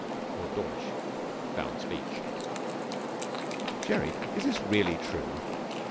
Lord Dawlish found speech. 'Jerry, is this really true?'